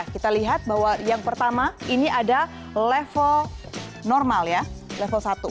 kita lihat bahwa yang pertama ini ada level normal ya level satu